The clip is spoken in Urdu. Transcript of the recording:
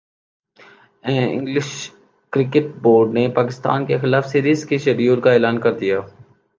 انگلش کرکٹ بورڈ نے پاکستان کیخلاف سیریز کے شیڈول کا اعلان کر دیا